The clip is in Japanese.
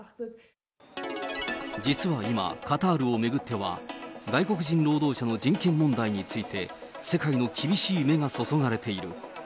実は今、カタールを巡っては外国人労働者の人権問題について、世界の厳しい目が注がれている。